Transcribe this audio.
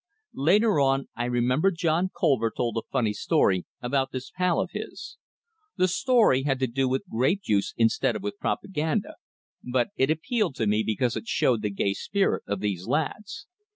Later on, I remember, John Colver told a funny story about this pal of his. The story had to do with grape juice instead of with propaganda, but it appealed to me because it showed the gay spirit of these lads.